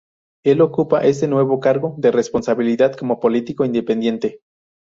El ocupa este nuevo cargo de responsabilidad, como político independiente.